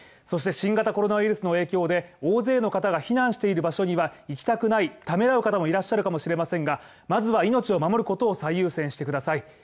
そして新型コロナウイルスの影響で、大勢の方が避難している場所には行きたくないためらう方もいらっしゃるかもしれませんが、まずは命を守ることを最優先してください。